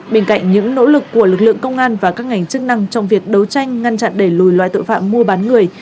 bên cạnh những nỗ lực của lực lượng công an và các ngành chức năng trong việc đấu tranh ngăn chặn đẩy lùi loại tội phạm mua bán người